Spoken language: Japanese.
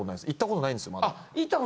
行ったことないんです。